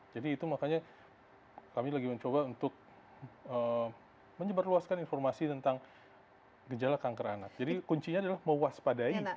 jadi itu makanya kami lagi mencoba untuk menyebarluaskan informasi tentang gejala kanker anak jadi kuncinya adalah mewaspadai